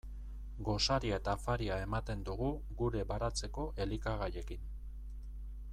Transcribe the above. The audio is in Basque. Gosaria eta afaria ematen dugu gure baratzeko elikagaiekin.